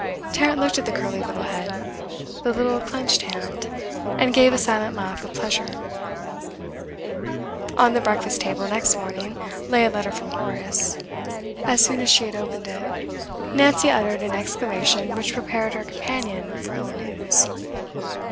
Tarrant looked at the curly little head, the little clenched hand, and gave a silent laugh of pleasure. On the breakfast table next morning lay a letter from Horace. As soon as she had opened it, Nancy uttered an exclamation which prepared her companion for ill news.